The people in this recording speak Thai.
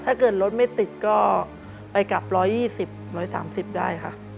ถ้าเกิดรถไม่ติดก็ไปกลับ๑๒๐๑๓๐ได้ค่ะ